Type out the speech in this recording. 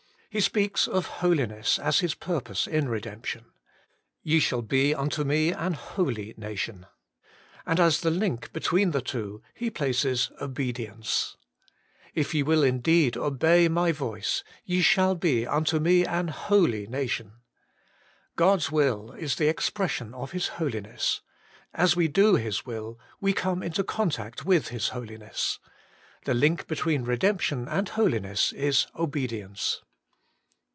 He speaks of holiness as His purpose in redemption :' Ye shall be unto me an holy nation.' And as the link between the two He places obedience :' If ye will indeed obey my voice, ye shall be unto me an Iwly nation.' God's will is the expression of His holiness ; as we do His will, we come into contact with His holiness. The link between Redemption and Holiness is Obedience.